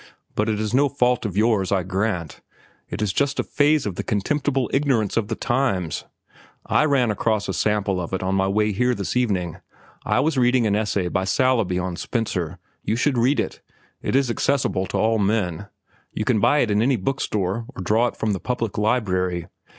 But it is no fault of yours, I grant. It is just a phase of the contemptible ignorance of the times. I ran across a sample of it on my way here this evening. I was reading an essay by Saleeby on Spencer. You should read it. It is accessible to all men. You can buy it in any book store or draw it from the public library.